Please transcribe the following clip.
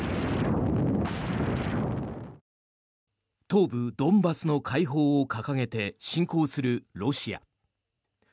東部ドンバスの解放を掲げて侵攻するロシア。